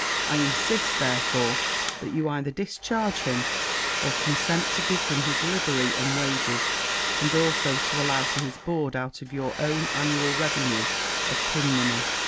I insist, therefore, that you either discharge him, or consent to give him his livery and wages, and also to allow for his board out of your own annual revenue of pin money.'